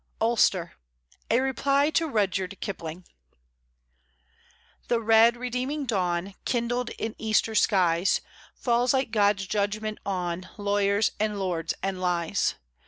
ULSTER (A REPLY TO RUDYARD KIPLING) The red, redeeming dawn Kindled in Easter skies, Falls like God's judgment on Lawyers, and lords, and lies.